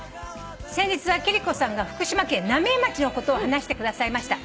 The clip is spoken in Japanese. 「先日は貴理子さんが福島県浪江町のことを話してくださいました。